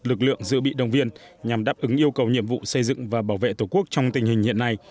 lực lượng dự bị đồng viên nhằm đáp ứng yêu cầu nhiệm vụ xây dựng và bảo vệ tổ quốc trong tình hình hiện nay